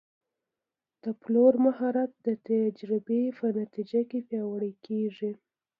د پلور مهارت د تجربې په نتیجه کې پیاوړی کېږي.